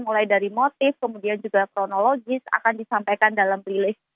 mulai dari motif kemudian juga kronologis akan disampaikan dalam rilis